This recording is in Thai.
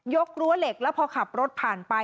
กรั้วเหล็กแล้วพอขับรถผ่านไป